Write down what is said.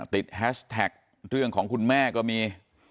แฮชแท็กเรื่องของคุณแม่ก็มี